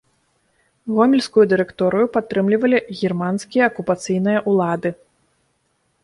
Гомельскую дырэкторыю падтрымлівалі германскія акупацыйныя ўлады.